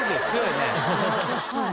確かに。